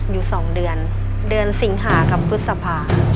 อยู่๒เดือนเดือนสิงหากับพฤษภา